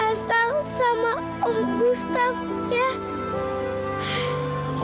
asal sama om bustaf ya